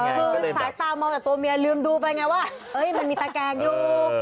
คือสายตามองแต่ตัวเมียลืมดูไปไงว่ามันมีตะแกงอยู่